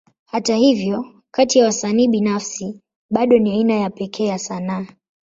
Hata hivyo, kati ya wasanii binafsi, bado ni aina ya pekee ya sanaa.